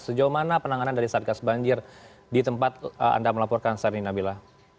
sejauh mana penanganan dari satgas banjir di tempat anda melaporkan saat ini nabila